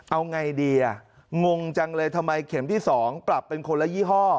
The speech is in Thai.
เอาไงดีอ่ะงงจังเลยทำไมเข็มที่๒ปรับเป็นคนละยี่ห้อ